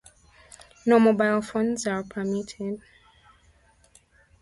No mobile phones are permitted.